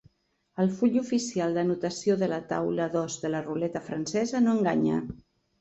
El full oficial d'anotació de la taula dos de ruleta francesa no enganya.